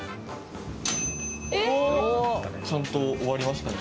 ちゃんと終わりましたね。